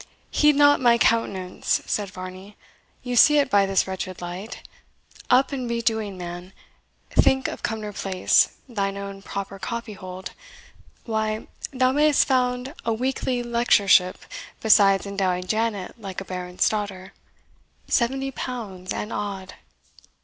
"Heed not my countenance," said Varney; "you see it by this wretched light. Up and be doing, man. Think of Cumnor Place thine own proper copyhold. Why, thou mayest found a weekly lectureship, besides endowing Janet like a baron's daughter. Seventy pounds and odd."